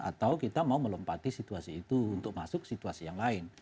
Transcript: atau kita mau melompati situasi itu untuk masuk situasi yang lain